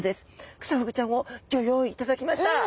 クサフグちゃんをギョ用意いただきました！